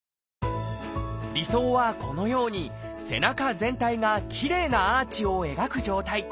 理想はこのように背中全体がきれいなアーチを描く状態。